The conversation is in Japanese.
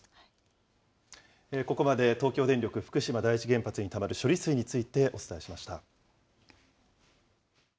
ここまで、東京電力福島第一原発にたまる処理水についてお伝えしました。